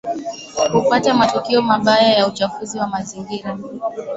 hupata matukio mabaya ya uchafuzi wa mazingira